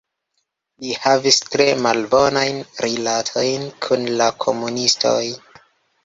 Li havis tre malbonajn rilatojn kun la komunistoj.